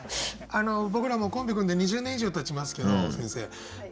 僕らもコンビ組んで２０年以上たちますけど先生